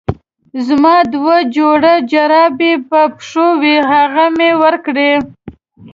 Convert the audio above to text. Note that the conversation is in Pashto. زما دوه جوړه جرابې په پښو وې هغه مې ورکړې.